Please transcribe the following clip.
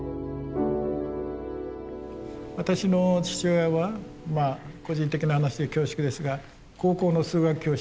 私の父親は個人的な話で恐縮ですが高校の数学教師でした。